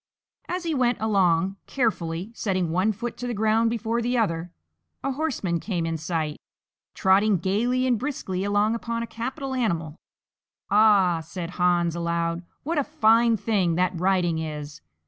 As he went along, carefully setting one foot to the ground before the other, a horseman came in sight, trotting gaily and briskly along upon a capital animal. "Ah," said Hans, aloud, "what a fine thing that riding is!